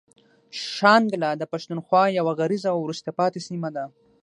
شانګله د پښتونخوا يوه غريزه او وروسته پاتې سيمه ده.